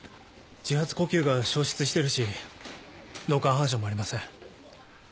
自発呼吸が消失してるし脳幹反射もありません。